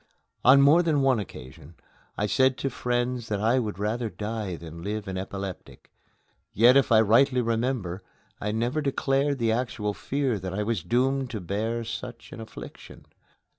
On more than one occasion I said to friends that I would rather die than live an epileptic; yet, if I rightly remember, I never declared the actual fear that I was doomed to bear such an affliction.